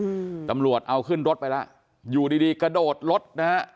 อืมตำรวจเอาขึ้นรถไปแล้วอยู่ดีดีกระโดดรถนะฮะ